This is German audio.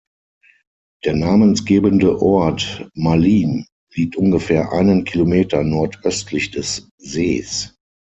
Der namensgebende Ort Mallin liegt ungefähr einen Kilometer nordöstlich des Sees.